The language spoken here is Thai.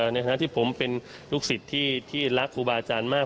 นะฮะที่ผมเป็นลูกศิษย์ที่รักครูบาอาจารย์มาก